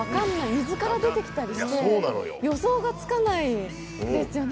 自ら出てきたりして、予想がつかないですよね。